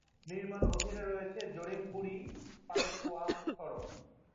নির্মাণ অধীনে রয়েছে জোরিনপুরই-পালেটওয়া সড়ক।